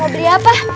mau beli apa